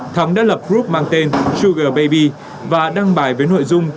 thắng đã lập group mang tên sugar baby và đăng bài với nội dung